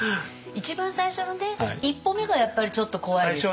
一番最初のね一歩目がやっぱりちょっと怖いですけどね。